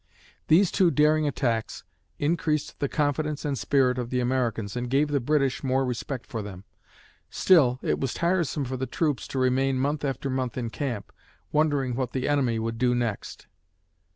These two daring attacks increased the confidence and spirit of the Americans and gave the British more respect for them. Still, it was tiresome for the troops to remain month after month in camp, wondering what the enemy would do next.